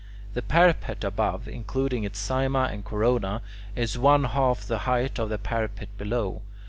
The parapet above, including its cyma and corona, is one half the height of the parapet below.